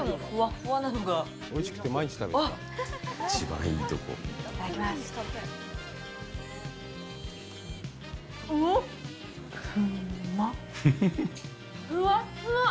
ふわふわっ。